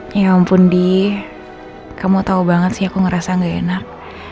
ya ampun di kamu tau banget sih aku ngerasa gak enak